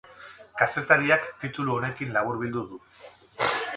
Kazetariak titulu honekin laburbildu du.